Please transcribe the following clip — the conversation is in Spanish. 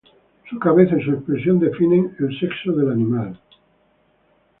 La cabeza y su expresión define el sexo del animal.